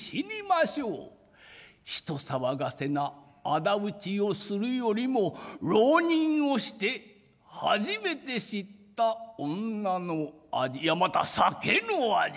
人騒がせな仇討ちをするよりも浪人をして初めて知った女の味いやまた酒の味